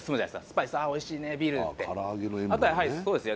スパイスああおいしいねビールってあとはやはりそうですね